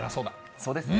そうですね。